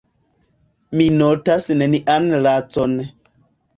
Mi notas nenian lacon.